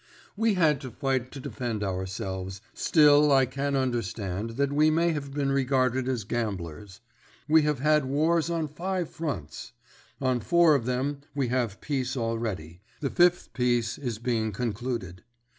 "We had to fight to defend ourselves, still I can understand that we may have been regarded as gamblers. We have had wars on five fronts. On four of them we have peace already; the fifth peace is being concluded.